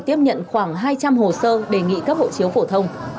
tiếp nhận khoảng hai trăm linh hồ sơ đề nghị cấp hộ chiếu phổ thông